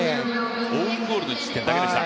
オウンゴールの１失点だけでした。